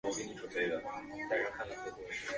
二十四岁时化疗插管